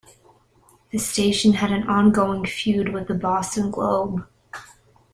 The station had an ongoing feud with "The Boston Globe".